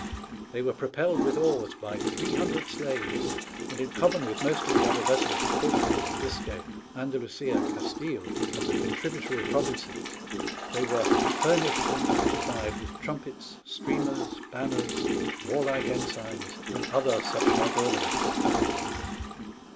They were propelled with oars by 800 slaves, and, in common with most of the other vessels of Portugal, Biscay, Andalusia, Gastille, and the contributory pro vinces, they were '* furnished and beautified with trumpets, streamers, banners, warlike ensigns, and other such like ornaments.'